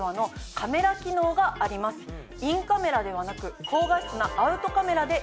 インカメラではなく。